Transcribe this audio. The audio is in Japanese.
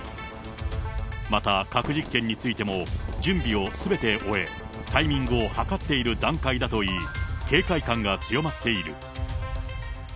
また、核実験についても準備をすべて終え、タイミングを計っている段階だといい、警戒感が強まっている。